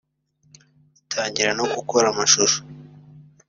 atangira no gukora amashusho